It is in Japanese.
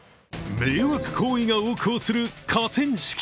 迷惑行為が横行する河川敷。